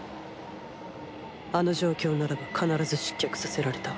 あの状況ならば必ず失脚させられた。